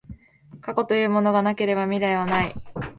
過去というものがなければ未来はない。